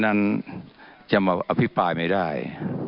นั้นจะมาอภิปรายไม่ได้